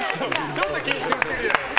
ちょっと緊張してるよね。